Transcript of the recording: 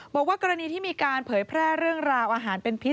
บอกว่ากรณีที่มีการเผยแพร่เรื่องราวอาหารเป็นพิษ